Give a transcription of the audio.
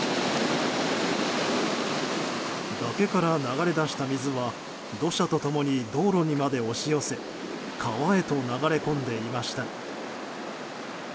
崖から流れ出した水は土砂と共に道路にまで押し寄せ川へと流れ込んでいました。